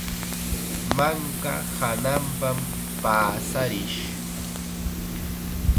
Manka hananpam paasarish.